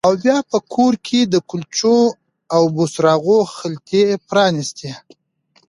او بیا په کور کې د کلچو او بوسراغو خلطې پرانیستې